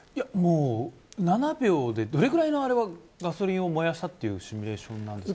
７秒で、どれぐらいのガソリンを燃やしたというシミュレーションなんですか。